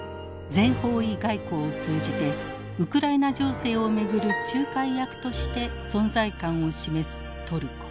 全方位外交を通じてウクライナ情勢を巡る仲介役として存在感を示すトルコ。